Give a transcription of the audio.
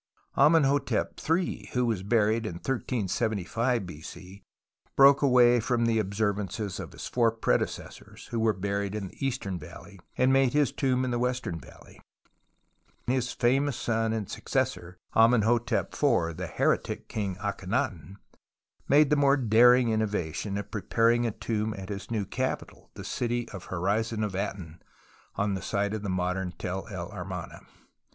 Amenhotep III, who was buried in 1375 B.C., broke away from the observances of his four predecessors who were buried in the Eastern Valley and made his tomb in the Western Valley; and his famous son and successor, Amenhotep IV, the heretic king Akhenaton, made the more daring innovation of preparing a tomi) at his new capital, the City of the Horizon of Aton, on the site of the modern Tell el Amarna.